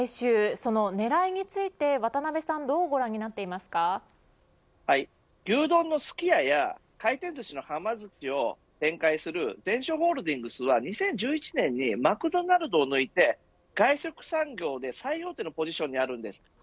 その狙いについて渡辺さんどうはい、牛丼のすき家や回転ずしのはま寿司を展開するゼンショーホールディングスは２０１１年にマクドナルドを抜いて外食産業で最大手のポジションにあるんです。